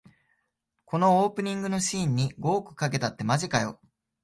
このオープニングのシーンに五億かけたってマジかよ